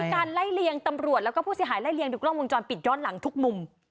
เป็นแหล่ะการไล่เรียงตำรวจและผู้เสียหายไล่เรียงดูกล่องวงจรปิดยอดหลังทุกมุม